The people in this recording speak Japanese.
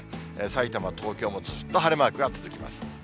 さいたま、東京もずっと晴れマークが続きます。